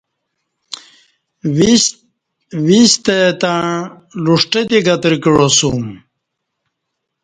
وِ ستہ تݩع لُݜٹہ تے گترہ کعاسوم